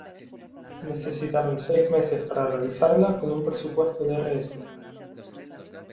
Necesitaron seis meses para realizarla con un presupuesto de Rs.